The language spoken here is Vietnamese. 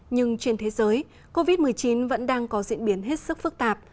nhưng trên thế giới covid một mươi chín vẫn đang có diễn biến hết sức phức tạp